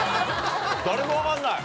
誰も分かんない？